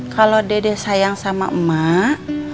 kalau dedek sayang sama emak